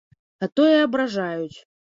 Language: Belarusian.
А то і абражаюць.